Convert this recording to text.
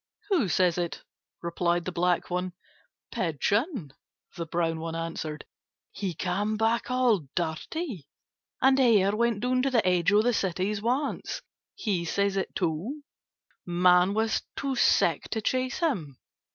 "Who says it?" replied the black one. "Pigeon," the brown one answered. "He came back all dirty. And Hare went down to the edge of the cities once. He says it too. Man was too sick to chase him.